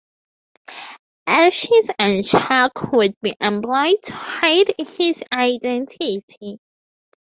Ashes and chalk would be employed to hide his identity.